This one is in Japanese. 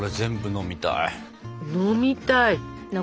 飲みたい。